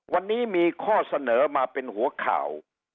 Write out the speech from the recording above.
วันนี้มีข้อเสนอมาเป็นหัวข่าว